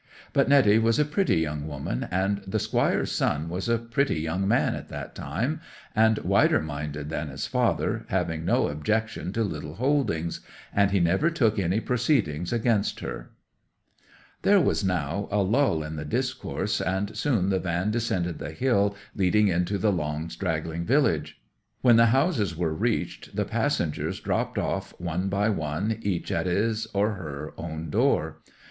But Netty was a pretty young woman, and the Squire's son was a pretty young man at that time, and wider minded than his father, having no objection to little holdings; and he never took any proceedings against her.' There was now a lull in the discourse, and soon the van descended the hill leading into the long straggling village. When the houses were reached the passengers dropped off one by one, each at his or her own door.